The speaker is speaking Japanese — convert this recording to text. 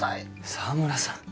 澤村さん。